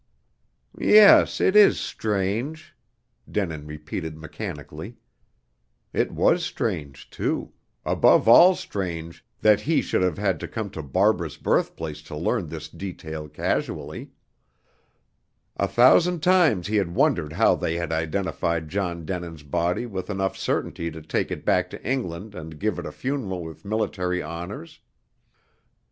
"Yes, it is strange," Denin repeated mechanically. It was strange, too above all strange that he should have had to come to Barbara's birthplace to learn this detail casually. A thousand times he had wondered how they had identified John Denin's body with enough certainty to take it back to England and give it a funeral with military honors.